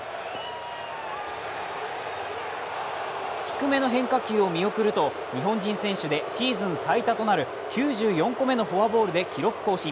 低めの変化球を見送ると、日本人選手でシーズン最多となる９４個目のフォアボールで記録更新。